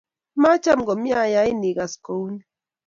maacham komye ayain ikas kou ni